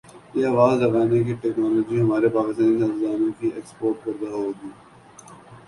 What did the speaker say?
یہ آواز لگانے کی ٹیکنالوجی ہمارے پاکستانی سیاستدا نوں کی ایکسپورٹ کردہ ہوگی